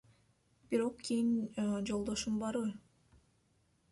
Бирок кийин Жолдошуң барбы?